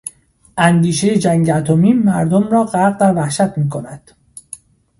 اندیشهی جنگ اتمی مردم را غرق در وحشت میکند.